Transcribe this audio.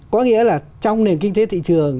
có nghĩa là trong nền kinh tế thị trường